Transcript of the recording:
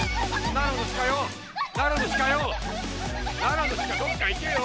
ならのしかどっか行けよ！